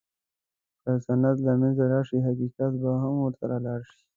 که سند له منځه لاړ، حقیقت به هم ورسره لاړ شي.